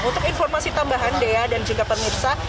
untuk informasi tambahan dea dan juga pemirsa